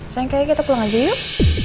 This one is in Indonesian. sayang kayaknya kita pulang aja yuk